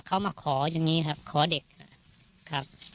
เขามาขออย่างนี้ครับขอเด็ก